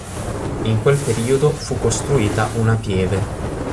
In quel periodo fu costruita una pieve.